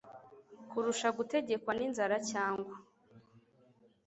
kurusha gutegekwa ninzara cyangwa